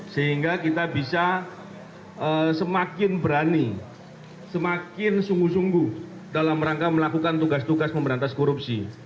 sehingga kita bisa semakin berani semakin sungguh sungguh dalam rangka melakukan tugas tugas memberantas korupsi